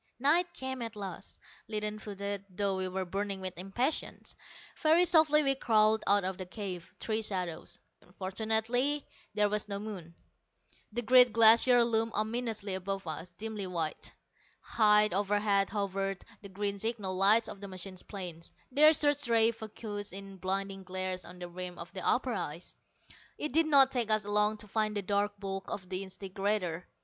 Night came at last, leaden footed, though we were burning with impatience. Very softly we crawled out of the cave, three shadows. Fortunately there was no moon. The great Glacier loomed ominously above us, dimly white. High overhead hovered the green signal lights of the machine planes, their search rays focussed in blinding glares on the rim of the upper ice. It did not take us long to find the dark bulk of the disintegrator.